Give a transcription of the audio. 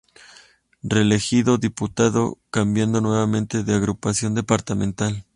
Reelegido Diputado cambiando nuevamente de agrupación departamental.